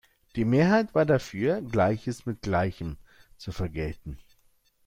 Die Mehrheit war dafür, Gleiches mit Gleichem zu vergelten.